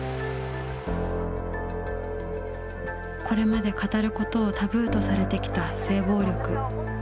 これまで語ることをタブーとされてきた性暴力。